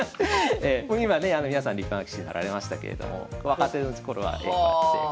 今ね皆さん立派な棋士になられましたけれども若手の頃はこうやって。